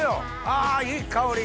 あいい香り！